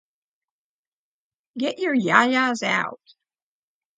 Get Yer Ya-Ya's Out!